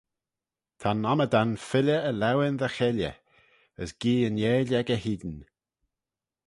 Ta'n ommydan filley e laueyn dy cheilley, as gee yn eill echey hene.